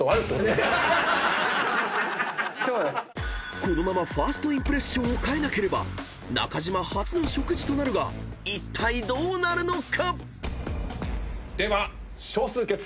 ［このまま１ｓｔインプレッションを変えなければ中島初の食事となるがいったいどうなるのか⁉］